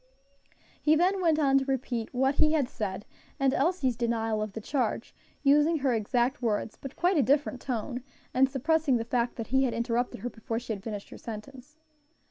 He then went on to repeat what he had said, and Elsie's denial of the charge, using her exact words, but quite a different tone, and suppressing the fact that he had interrupted her before she had finished her sentence.